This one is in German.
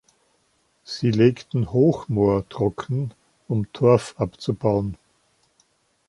Sie legten Hochmoor trocken, um Torf abzubauen.